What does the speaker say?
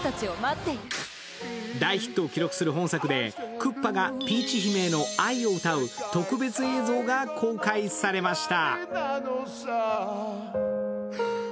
大ヒットを記録する本作でクッパがピーチ姫への愛を歌う特別映像が公開されました。